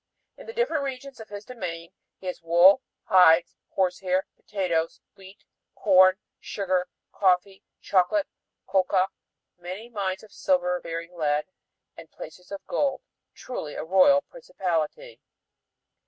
In the different regions of his domain he has wool, hides, horsehair, potatoes, wheat, corn, sugar, coffee, chocolate, coca, many mines of silver bearing lead, and placers of gold." Truly a royal principality.